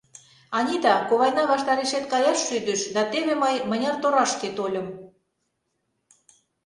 — Анита, ковайна ваштарешет каяш шӱдыш, да теве мый мыняр торашке тольым.